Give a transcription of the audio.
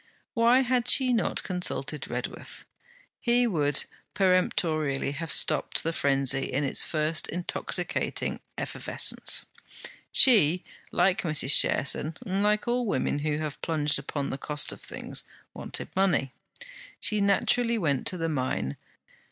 Why had she not consulted Redworth? He would peremptorily have stopped the frenzy in its first intoxicating effervescence. She, like Mrs. Cherson, like all women who have plunged upon the cost of things, wanted money. She naturally went to the mine.